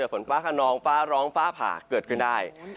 ฝนฟ้าขนองฟ้าร้องฟ้าผ่าเกิดขึ้นได้